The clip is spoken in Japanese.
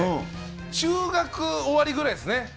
中学終わりぐらいですね。